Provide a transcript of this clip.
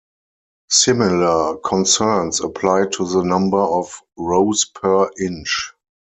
Similar concerns apply to the number of "rows per inch".